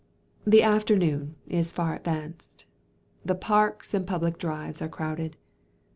The afternoon is far advanced—the parks and public drives are crowded.